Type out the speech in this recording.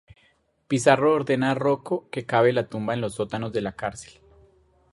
Pizarro ordena a Rocco que cave la tumba en los sótanos de la cárcel.